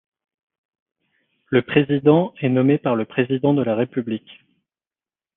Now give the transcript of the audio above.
Le président est nommé par le Président de la République.